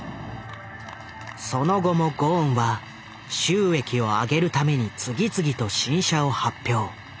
その後もゴーンは収益を上げるために次々と新車を発表。